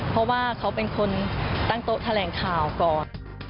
เพราะว่าเขาเป็นคนตั้งโต๊ะแถลงข่าวก่อน